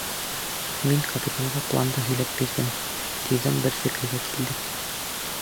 Мин капитанға планды һөйләп бирҙем, тиҙҙән бер фекергә килдек.